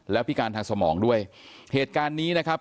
แล้วพิการทางสมองด้วยเหตุการณ์นี้นะครับ